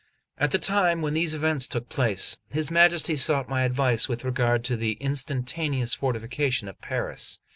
At the time when these events took place, his Majesty sought my advice with regard to the instantaneous fortification of Paris.